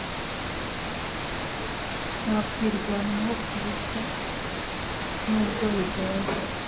Twakwirwanaho kubisa nubwo bigoye